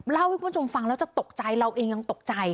เล่าให้คุณผู้ชมฟังแล้วจะตกใจเราเองยังตกใจ